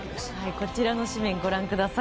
こちらの紙面ご覧ください。